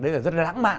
đây là rất là lãng mạn